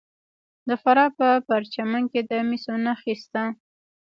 د فراه په پرچمن کې د مسو نښې شته.